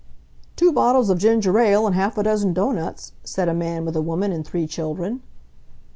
"Two bottles of ginger ale and half a dozen doughnuts," said a man with a woman and three children.